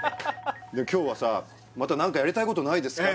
今日はさまた何かやりたいことないですか？